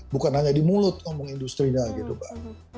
bukan hanya di mulut ngomong industri nya gitu mbak